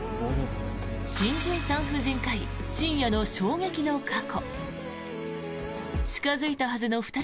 新人産婦人科医、深夜の衝撃の過去。